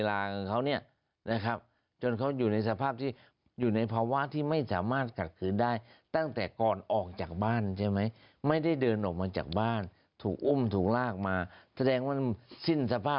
และมีคนโตแย้งได้ด้วยนะคะว่า